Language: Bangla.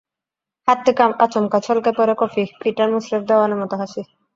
হাত থেকে আচমকা ছলকে পড়ে কফি, পিটার মুসরেফ দেওয়ানের মতো হাসে।